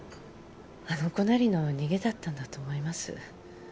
あの子なりの逃げだったんだと思います